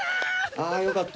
あぁよかった。